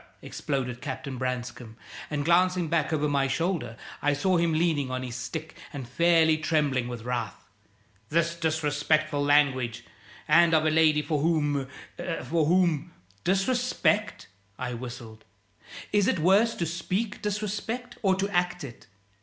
exploded Captain Branscome, and glancing back over my shoulder I saw him leaning on his stick and fairly trembling with wrath. "This disrespectful language! And of a lady for whom for whom " "Disrespect?" I whistled. "Is it worse to speak disrespect or to act it?